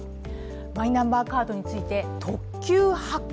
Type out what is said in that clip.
マイナンバーカードについて特急発行。